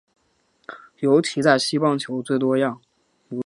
尤其在西半球最多样。